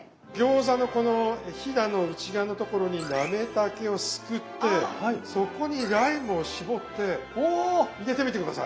餃子のこのひだの内側のところになめたけをすくってそこにライムを搾って入れてみて下さい。